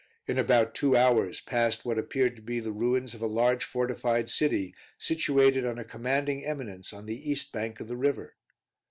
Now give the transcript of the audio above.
In about two hours passed what appeared to be the ruins of a large fortified city, situated on a commanding eminence on the east bank of the river.